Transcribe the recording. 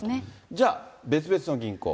じゃあ、別々の銀行。